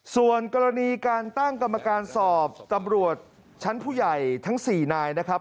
ส่วนกรณีการตั้งกรรมการสอบตำรวจชั้นผู้ใหญ่ทั้ง๔นายนะครับ